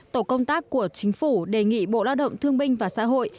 tổ công tác của chính phủ đề nghị bộ lao động thương binh và xã hội